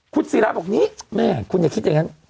คุณศิราบอกนี่แม่คุณอย่าคิดอย่างนั้น